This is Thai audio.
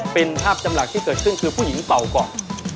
เป็นภาพจำหลักที่เกิดขึ้นคือผู้หญิงเก่าก่อน